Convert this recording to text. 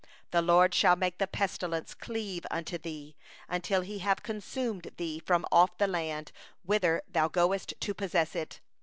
21The LORD will make the pestilence cleave unto thee, until He have consumed thee from off the land, whither thou goest in to possess it.